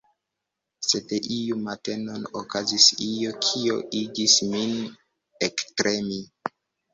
Sed iun matenon okazis io, kio igis min ektremi.